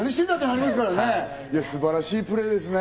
素晴らしいプレーですね。